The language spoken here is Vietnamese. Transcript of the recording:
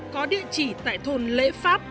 có địa chỉ tại thôn lễ pháp